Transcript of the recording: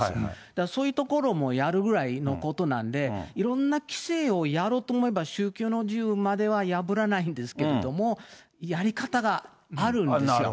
だからそういうところもやるぐらいのことなんで、いろんな規制をやろうと思えば、宗教の自由までは破らないんですけれども、やり方があるんですよ。